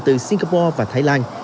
từ singapore và thái lan